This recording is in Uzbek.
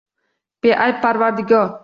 Beayb parvardigor.